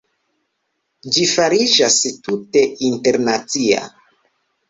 Ĝi fariĝas tute internacia.